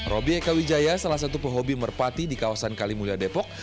robby jaya salah satu penghobi merpati di kawasan kalimulia depok